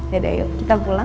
yaudah yuk kita pulang